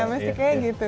masih kayak gitu